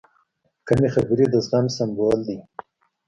کمې خبرې، د زغم سمبول دی.